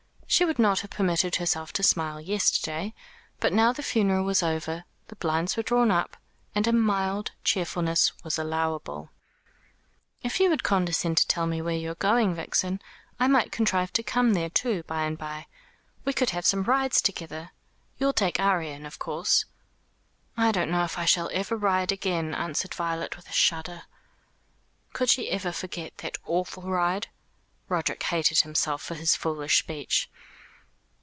She would not have permitted herself to smile yesterday; but now the funeral was over, the blinds were drawn up, and a mild cheerfulness was allowable. "If you would condescend to tell me where you are going, Vixen, I might contrive to come there too, by and by. We could have some rides together. You'll take Arion, of course." "I don't know that I shall ever ride again," answered Violet with a shudder. Could she ever forget that awful ride? Roderick hated himself for his foolish speech.